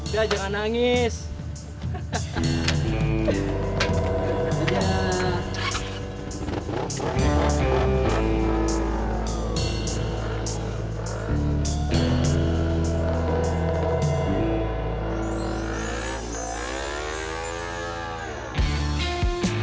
terus lu kalah